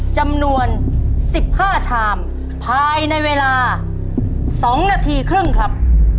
จำนวนสิบห้าชามภายในเวลาสองนาทีครึ่งครับ